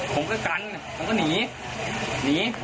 ผมก็กันหนี